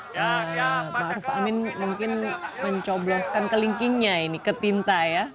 pak haji maruf amin mungkin mencobloskan kelingkingnya ini ketinta ya